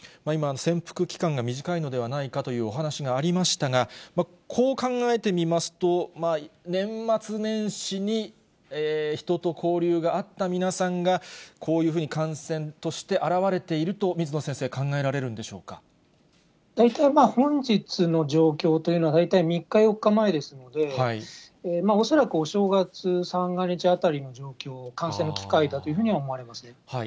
今、潜伏期間が短いのではないかというお話がありましたが、こう考えてみますと、年末年始に人と交流があった皆さんが、こういうふうに感染として表れていると、水野先生、考えられるん本日の状況というのは、大体３日、４日前ですので、恐らくお正月、三が日あたりの状況、感染の機会だというふうに思われます。